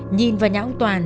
nhìn vào nhà ông toàn